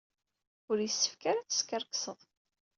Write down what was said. Ur yessefk ara ad teskerksed.